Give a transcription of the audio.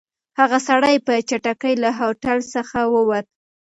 هغه سړی په چټکۍ له هوټل څخه ووت.